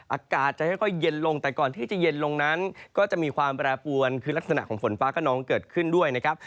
อากาศจะค่อยเย็นลงแต่ก่อนที่จะเย็นลงนั้นก็จะมีความแปรปวนคือลักษณะของฝนฟ้ากระนองเกิดขึ้นด้วยนะครับ